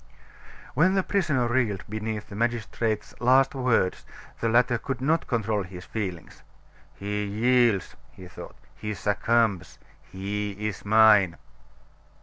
When the prisoner reeled beneath the magistrate's last words, the latter could not control his feelings. "He yields," he thought, "he succumbs he is mine!"